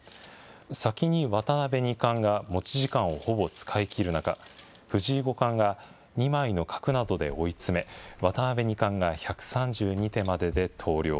先に渡辺二冠が持ち時間をほぼ使い切る中、藤井五冠が２枚の角などで追い詰め、渡辺二冠が１３２手までで投了。